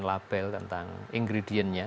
label tentang ingredientnya